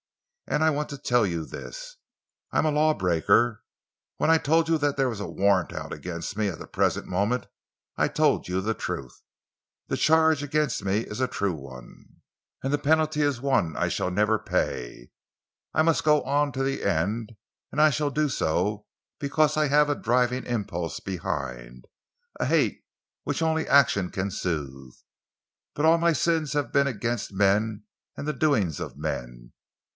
And I want to tell you this. I am a lawbreaker. When I told you that there was a warrant out against me at the present moment, I told you the truth. The charge against me is a true one, and the penalty is one I shall never pay. I must go on to the end, and I shall do so because I have a driving impulse behind, a hate which only action can soothe. But all my sins have been against men and the doings of men.